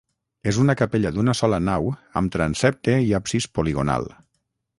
És una capella d'una sola nau amb transsepte i absis poligonal.